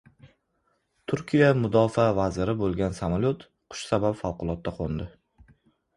Turkiya mudofaa vaziri bo‘lgan samolyot qush sabab favqulodda qo‘ndi